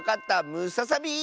ムササビ！